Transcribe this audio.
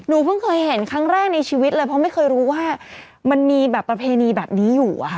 เพิ่งเคยเห็นครั้งแรกในชีวิตเลยเพราะไม่เคยรู้ว่ามันมีแบบประเพณีแบบนี้อยู่อะค่ะ